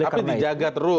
tapi dijaga terus